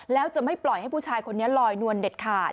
แล้วจะไม่ปล่อยให้ผู้ชายคนนี้ลอยนวลเด็ดขาด